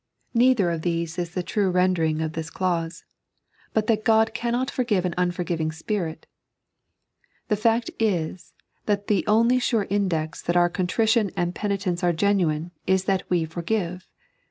Neither of theae is the true rendering of 3.n.iized by Google 132 The Disciplbs' Prater. this clause ; but that GoA cannot forgive an unforgiving spirit. The fact is that the only sure index that our contrition and penitence are genuine is that we forgive.